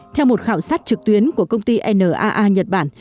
theo một khảo sát trực tuyến của công ty naa nhật bản